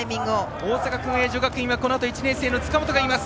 大阪薫英女学院はこのあと１年生の塚本がいます。